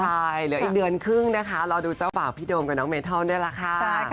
ใช่เหลืออีกเดือนครึ่งนะคะรอดูเจ้าบ่าวพี่โดมกับน้องเมทัลนี่แหละค่ะ